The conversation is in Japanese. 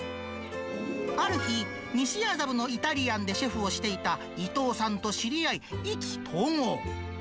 ある日、西麻布のイタリアンでシェフをしていた伊藤さんと知り合い、意気投合。